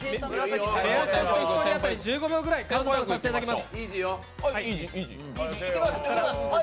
１人当たり１５秒ぐらい、カウントダウンさせていただきます。